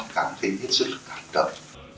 cảm thấy hết sức khẳng cấp